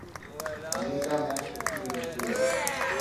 امريڪا ۾ سٺي يونيورسٽي هي.